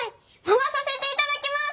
まわさせていただきます！